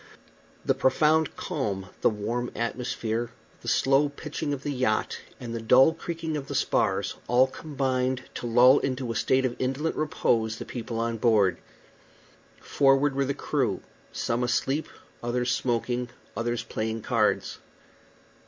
The profound calm, the warm atmosphere, the slow pitching of the yacht, and the dull creaking of the spars all combined to lull into a state of indolent repose the people on board. Forward were the crew; some asleep, others smoking, others playing cards.